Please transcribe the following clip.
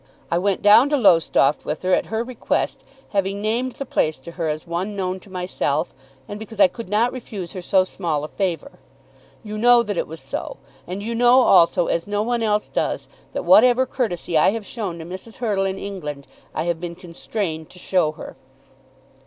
I went down to Lowestoft with her at her request, having named the place to her as one known to myself, and because I could not refuse her so small a favour. You know that it was so, and you know also, as no one else does, that whatever courtesy I have shown to Mrs. Hurtle in England, I have been constrained to show her.